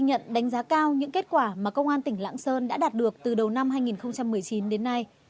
ghi nhận đánh giá cao những kết quả mà công an tỉnh lạng sơn đã đạt được từ đầu năm hai nghìn một mươi chín đến nay